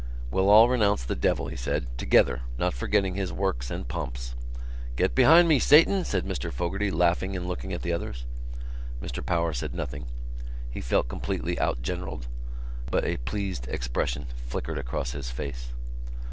"We'll all renounce the devil," he said, "together, not forgetting his works and pomps." "Get behind me, Satan!" said Mr Fogarty, laughing and looking at the others. Mr Power said nothing. He felt completely out generalled. But a pleased expression flickered across his face.